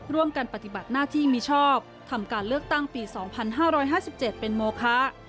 ปฏิบัติหน้าที่มีชอบทำการเลือกตั้งปี๒๕๕๗เป็นโมคะ